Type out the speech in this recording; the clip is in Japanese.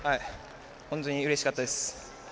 本当にうれしかったです。